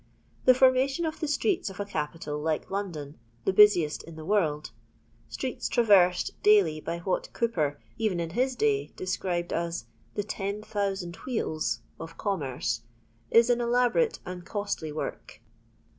The formation of the streets of a capital like London, the busiest in the world — streets traversed daily by what Cowper, even in his day, described as "the ten thousand wheels" of commerce — ^ii an eUborate and costly work.